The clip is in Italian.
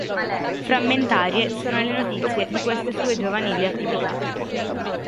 Frammentarie sono le notizie di queste sue giovanili attività.